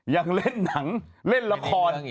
ยังเล่นหนังเล่นละคร